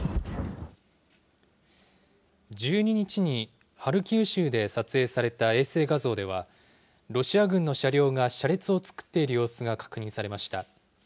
１２日にハルキウ州で撮影された衛星画像では、ロシア軍の車両が車列を作っている様子が確認されました。